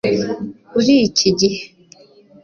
urikigihe